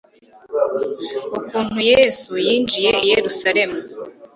Ukuntu Yesu yinjiye i Yerusalemu